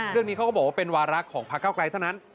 เรื่องนี้เขาก็บอกว่าเป็นวาระของพระเก้าไกลเท่านั้น